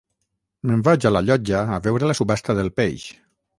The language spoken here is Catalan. Me'n vaig a la llotja a veure la subhasta del peix